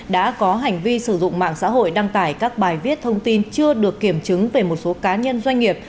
đã có hành vi sử dụng mạng xã hội đăng tải các bài viết thông tin chưa được kiểm chứng về một số cá nhân doanh nghiệp